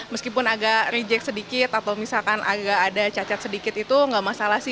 meskipun agak reject sedikit atau misalkan agak ada cacat sedikit itu nggak masalah sih